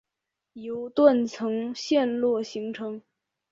由断层陷落形成。